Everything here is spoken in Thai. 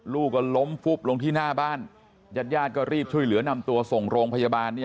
ลูกก็ล้มฟุบลงที่หน้าบ้านญาติญาติก็รีบช่วยเหลือนำตัวส่งโรงพยาบาล